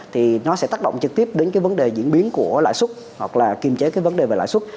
thì nó sẽ tác động trực tiếp đến cái vấn đề diễn biến của lãi xuất hoặc là kiềm chế cái vấn đề về lãi suất